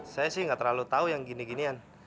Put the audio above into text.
saya sih ga terlalu tau yang gini ginian